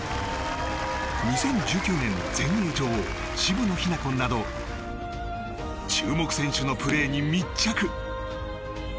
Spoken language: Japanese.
２０１９年の全英女王渋野日向子など注目選手のプレーに密着。